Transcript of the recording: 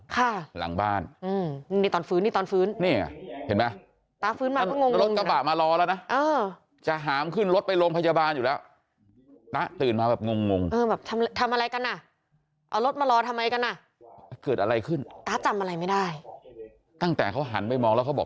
ของเราไม่มีอะไรใช่ไหม